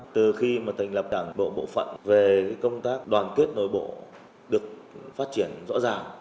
từ khi mà thành lập đảng bộ bộ phận về công tác đoàn kết nội bộ được phát triển rõ ràng